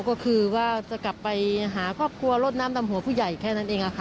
ก็คือว่าจะกลับไปหาครอบครัวลดน้ำดำหัวผู้ใหญ่แค่นั้นเองค่ะ